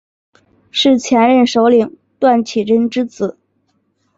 是前任首领段乞珍之子。